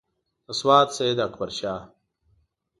د سوات سیداکبرشاه.